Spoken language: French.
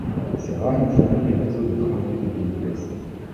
Ces rames ont fourni les réseaux de tramways des pays de l'Est.